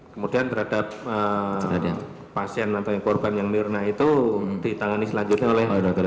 kemudian terhadap pasien atau yang korban yang mirna itu ditangani selanjutnya oleh dokter